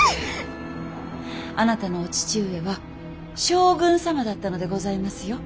あなたのお父上は将軍様だったのでございますよ。